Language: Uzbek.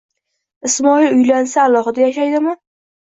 «Ismoil uylansa alohida yashaydimi